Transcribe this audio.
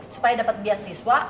supaya dapet biasiswa